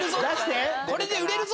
これで売れるぞ！